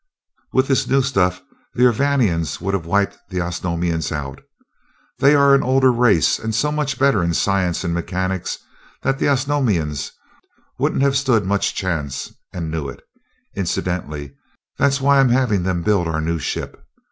"With this new stuff the Urvanians would have wiped the Osnomians out. They are an older race, and so much better in science and mechanics that the Osnomians wouldn't have stood much chance, and knew it. Incidentally, that's why I'm having them build our new ship.